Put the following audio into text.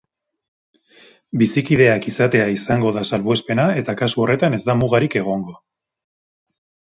Bizikideak izatea izango da salbuespena eta kasu horretan ez da mugarik egongo.